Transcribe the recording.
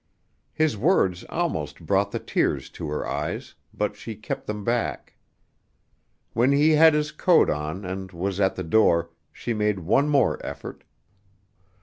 His words almost brought the tears to her eyes, but she kept them back. When he had his coat on and was at the door, she made one more effort.